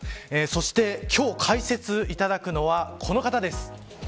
そして今日解説いただくのはこの方です。